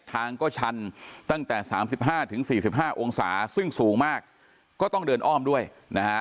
ทางก็ชันตั้งแต่๓๕๔๕องศาซึ่งสูงมากก็ต้องเดินอ้อมด้วยนะฮะ